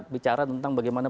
bicara tentang bagaimana